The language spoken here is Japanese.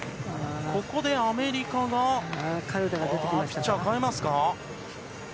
ここでアメリカがピッチャーを代えますか。